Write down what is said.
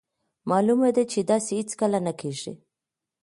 مالومه ده چې نه داسې هیڅکله نه کیږي.